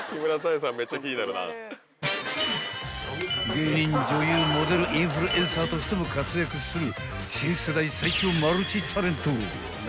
［芸人女優モデルインフルエンサーとしても活躍する］